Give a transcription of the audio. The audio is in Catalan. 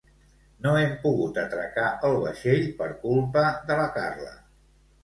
No hem pogut atracar el vaixell per culpa de la Carla